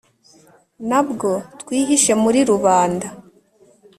nabwo twihishe muri rubanda